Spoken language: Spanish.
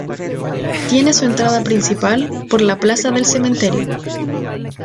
Tiene su entrada principal por la plaza del Cementerio.